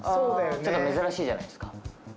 ちょっと珍しいじゃないですか。